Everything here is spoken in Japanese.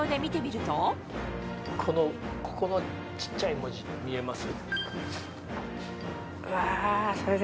ここの小っちゃい文字見えます？